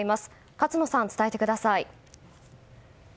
勝野さん伝えてください。